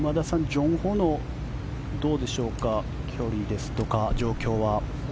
ジョン・ホのどうでしょうか距離ですとか情報は。